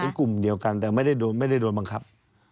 เป็นกลุ่มเดียวกันแต่ไม่ได้โดนบังคับ